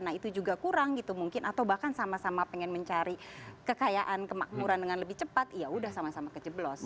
nah itu juga kurang gitu mungkin atau bahkan sama sama pengen mencari kekayaan kemakmuran dengan lebih cepat ya udah sama sama kejeblos